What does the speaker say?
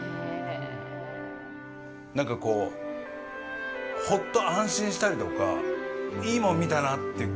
なんか、ほっと安心したりとかいいもん見たなっていう。